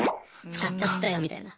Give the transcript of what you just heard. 使っちゃったよみたいな。